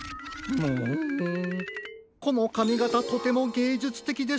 うんこのかみがたとてもげいじゅつてきですてきです！